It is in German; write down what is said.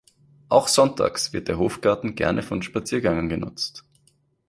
Auch sonntags wird der Hofgarten gerne von Spaziergängern genutzt.